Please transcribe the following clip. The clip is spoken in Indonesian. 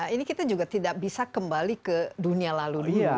ini kita juga tidak bisa kembali ke dunia lalu dulu